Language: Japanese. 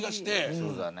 そうだね。